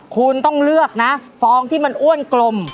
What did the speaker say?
คุณต้องเลือกนะฟองที่มันอ้วนกลม